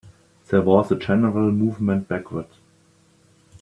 There was a general movement backwards.